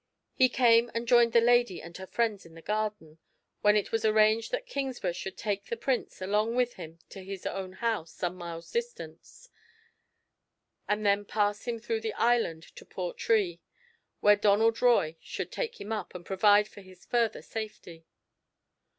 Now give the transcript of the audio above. He came and joined the lady and her friends in the garden, when it was arranged that Kingsburgh should take the Prince along with him to his own house, some miles distant, and thence pass him through the island to Portree, where Donald Roy should take him up, and provide for his further safety.